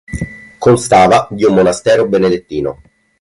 Constava di un monastero benedettino.